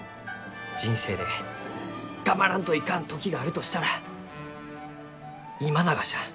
人生で頑張らんといかん時があるとしたら今ながじゃ。